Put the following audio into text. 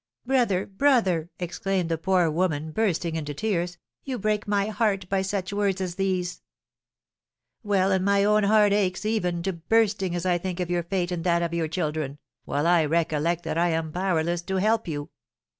"Brother, brother," exclaimed the poor woman, bursting into tears, "you break my heart by such words as these!" "Well, and my own heart aches even to bursting as I think of your fate and that of your children, while I recollect that I am powerless to help you.